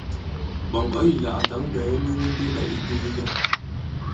Ɓɔ̀ŋ ɔ̌ yī lā à tǎŋ bwɛ̀ɛ myu mi mbenda ì teliya.